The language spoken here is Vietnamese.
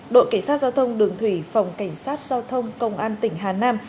đội cảnh sát giao thông đường thủy phòng cảnh sát giao thông công an tỉnh hà nam